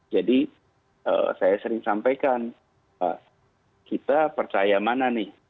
jadi saya sering sampaikan kita percaya mana nih